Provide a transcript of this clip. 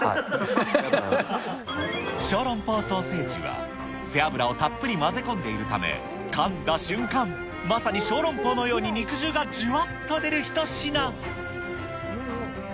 小籠包ソーセージは、背脂をたっぷり混ぜ込んでいるため、かんだ瞬間、まさに小籠包のように肉汁がじゅわっと出る一品。